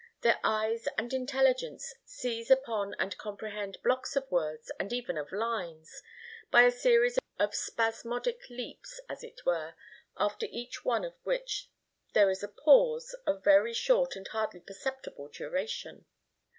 Their eyes and intelligence seize upon and comprehend blocks of words and even of lines, by a series of spasmodic leaps, as it were, after each one of which there is a pause of very short and hardly perceptible duration.